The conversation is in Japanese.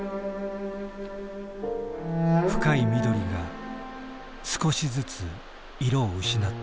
深い緑が少しずつ色を失っていく。